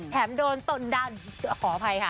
แถมโดนตนดันขออภัยค่ะ